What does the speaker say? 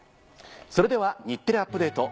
それでは『日テレアップＤａｔｅ！』